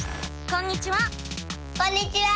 こんにちは。